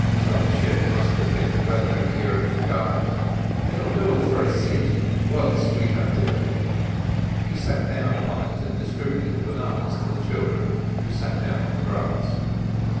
"Some ship must have been wathering here an' forgot it. It'll do for a sate whilst we have dinner." He sat down upon it and distributed the bananas to the children, who sat down on the grass.